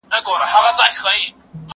زه به سبا سفر کوم؟!